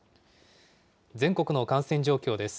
全国の感染状況です。